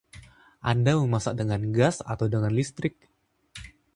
Anda memasak dengan gas atau dengan listrik?